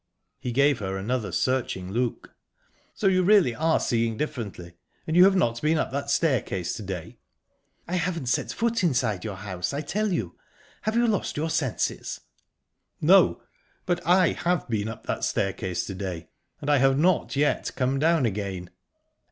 He gave her another searching look. "So you really are seeing differently. And you have not been up that staircase to day?" "I haven't set foot inside your house, I tell you. Have you lost your senses?" "No; but I have been up that staircase to day, and I have not yet come down again."